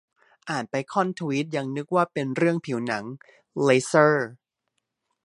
อ่านไปค่อนทวีตยังนึกว่าเป็นเรื่องผิวหนัง เลเซอร์